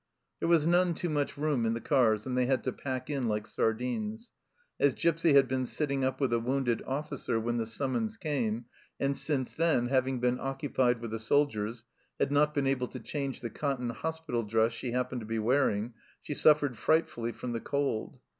There was none too much room in the cars, and they had to pack in like sardines. As Gipsy had been sitting up with a wounded officer when the summons came, and since then, having been occu pied with the soldiers, had not been able to change the cotton hospital dress she happened to be wear ing, she suffered frightfully from the cold.